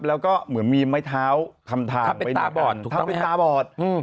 แล้วก็เหมือนมีไม้ท้าวทำทางไปตาปอด